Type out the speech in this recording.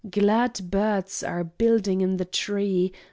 Glad birds are building in the tree.